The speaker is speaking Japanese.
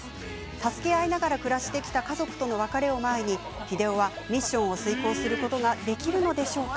助け合いながら暮らしてきた家族との別れを前に日出男はミッションを遂行することができるのでしょうか？